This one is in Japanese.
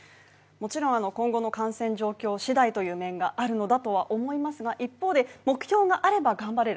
もちろんあの今後の感染状況次第という面があるのだとは思いますが一方で目標があれば頑張れる